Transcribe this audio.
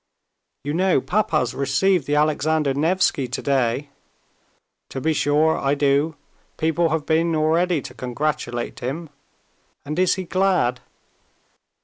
"You know papa's received the Alexander Nevsky today?" "To be sure I do! People have been already to congratulate him." "And is he glad?"